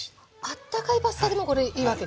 あったかいパスタでもこれいいわけですか。